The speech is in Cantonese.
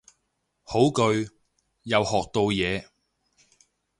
好句，又學到嘢